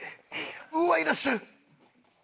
うわっいらっしゃる！